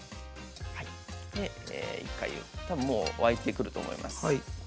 たぶんもう沸いてくると思います。